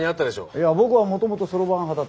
いや僕はもともとそろばん派だったんですよ。